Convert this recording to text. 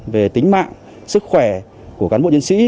về tính mạng sức khỏe của cán bộ nhân sĩ